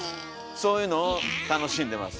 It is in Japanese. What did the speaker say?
そういうのを楽しんでます。